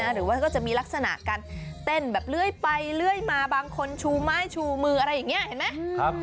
หรือว่าก็จะมีลักษณะการเต้นแบบเลื่อยไปเลื่อยมาบางคนชูไม้ชูมืออะไรอย่างนี้เห็นไหม